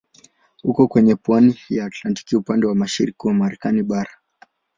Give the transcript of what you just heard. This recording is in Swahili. Uko kwenye pwani ya Atlantiki upande wa mashariki ya Marekani bara.